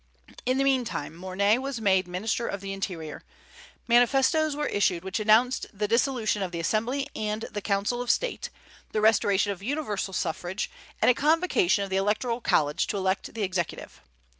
In the meantime, Morny was made minister of the interior. Manifestoes were issued which announced the dissolution of the Assembly and the Council of State, the restoration of universal suffrage, and a convocation of the electoral college to elect the Executive.